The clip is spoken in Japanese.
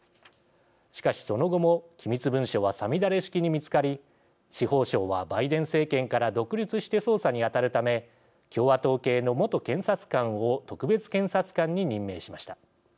しかし、その後も機密文書は五月雨式に見つかり司法省はバイデン政権から独立して捜査に当たるため共和党系の元検察官を特別検察官に任命しました。